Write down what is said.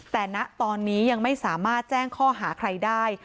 แต่ณตอนนี้ยังไม่สามารถแจ้งข้อหาใครได้